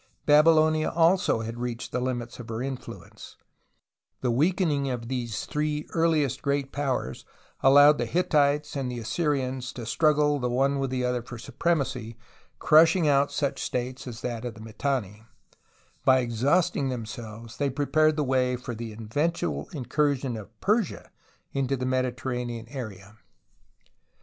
Babylonia also had reached the limits of her influence : and the weakening of these three earliest great powers allowed the Hittites and the Assyrians to struggle the one with the other for supremacy, crushing out such states as that of the Mitanni, and by exhaust ing themselves, so prepared the way for the eventual incursion of Persia into the JNIediter ranean area.